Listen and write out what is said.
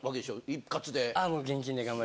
一括で。